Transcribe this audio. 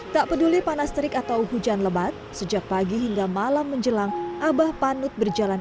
tak peduli panas terik atau hujan lebat sejak pagi hingga malam menjelang abah panut berjalan